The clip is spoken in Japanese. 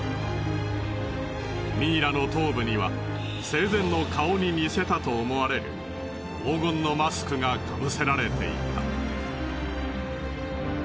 ミイラの頭部には生前の顔に似せたと思われる黄金のマスクが被せられていた。